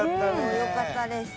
よかったです。